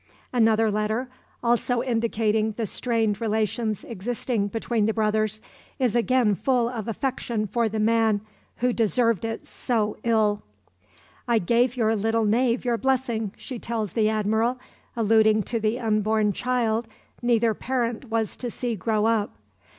Another letter, also indicating the strained relations existing between the brothers, is again full of affection for the man who deserved it so ill. "I gave your little knave your blessing," she tells the Admiral, alluding to the unborn child neither parent was to see grow up